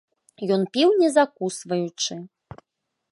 Ён піў не закусваючы.